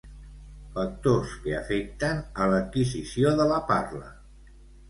Factors que afecten a l'adquisició de la parla.